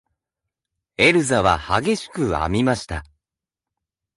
エルザは激しく編みました。